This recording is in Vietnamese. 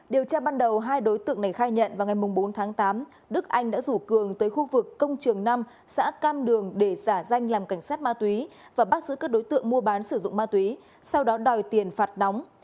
điều tra ban đầu hai đối tượng này khai nhận vào ngày bốn tháng tám đức anh đã rủ cường tới khu vực công trường năm xã cam đường để giả danh làm cảnh sát ma túy và bắt giữ các đối tượng mua bán sử dụng ma túy sau đó đòi tiền phạt nóng